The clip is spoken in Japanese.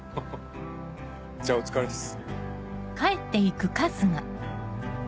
じゃあお疲れっす。